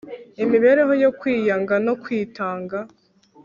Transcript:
imibereho yo kwiyanga no kwitanga